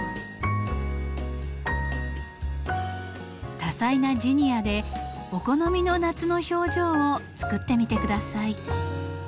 多彩なジニアでお好みの夏の表情を作ってみて下さい。